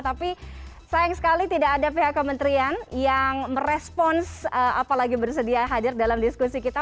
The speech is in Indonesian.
tapi sayang sekali tidak ada pihak kementerian yang merespons apalagi bersedia hadir dalam diskusi kita